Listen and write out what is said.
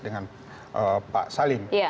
dengan pak salim